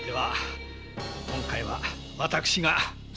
今回は私が。